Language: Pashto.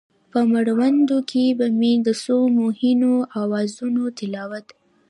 په مړوند کې به مې د څو مهینو اوازونو تلاوت،